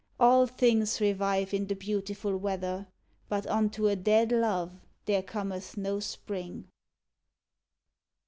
All things revive in the beautiful weather, But unto a dead love there cometh no Spring.